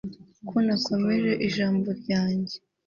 ko nakomeje ijambo ryanjye